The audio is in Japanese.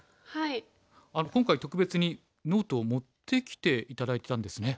今回特別にノートを持ってきて頂いてたんですね。